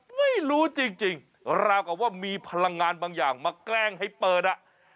ไม่รู้จริงราวกับว่ามีพลังงานบางอย่างมาแกล้งให้เปิดอ่ะ